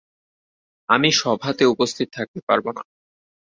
আমি সভাতে উপস্থিত থাকতে পারব না।